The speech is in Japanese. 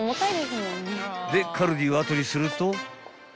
［でカルディを後にすると］